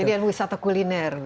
jadi yang wisata kuliner gitu